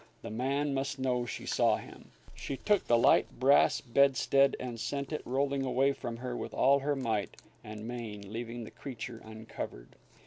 The man must know she saw him. She took the light brass bedstead and sent it rolling away from her with all her might and main leaving the creature uncovered.